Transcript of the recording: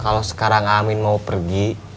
kalau sekarang amin mau pergi